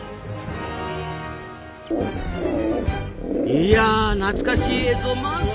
いや懐かしい映像満載！